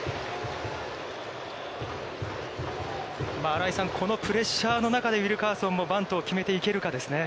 新井さん、このプレッシャーの中で、ウィルカーソンもバントを決めていけるかですよね。